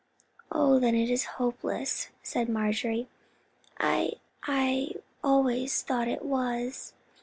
'" "Oh, then it is hopeless," said Marjorie. "I—I always thought it was."